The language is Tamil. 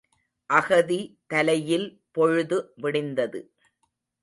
அகதி தலையில் பொழுது விடிந்தது.